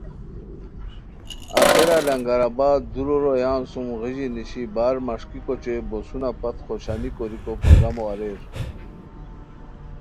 آخرا لنگر آباد دُورو رویان سُم غیژی نیشی بار مݰکیکو اوچے بوسونہ پت خوشانی کوریکو پروگرامو اریر